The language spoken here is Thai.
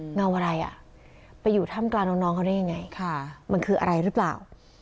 เงาอะไรอ่ะไปอยู่ถ้ำกลางน้องเขาได้ยังไงมันคืออะไรหรือเปล่า